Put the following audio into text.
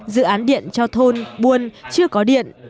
dự án điện cho thôn buôn chưa có điện